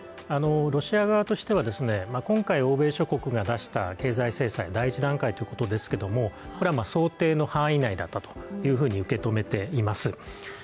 ロシア側としては今回欧米諸国が出した経済制裁、第１段階ということですけど、これは想定の範囲内だったと受け止めています。